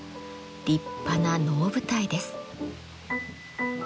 立派な能舞台です。